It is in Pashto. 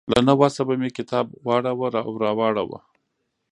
له نه وسه به مې کتاب واړاوه او راواړاوه.